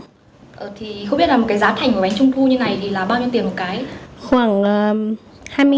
không biết là một cái giá thành của bánh trung thu như này là bao nhiêu tiền một cái